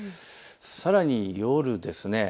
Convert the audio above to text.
さらに夜ですね。